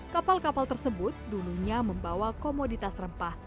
kapal kapal tersebut dulunya membawa komoditas rempah